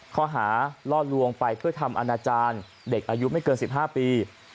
ข้อหาล่อลวงไปเพื่อทำอนาจารย์เด็กอายุไม่เกิน๑๕ปี